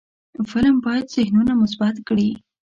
فلم باید ذهنونه مثبت کړي